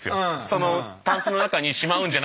そのタンスの中にしまうんじゃなくて。